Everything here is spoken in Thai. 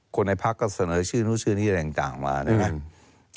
คนในพักก็เสนอชื่อนู่นชื่อนี้อะไรต่างมานะครับ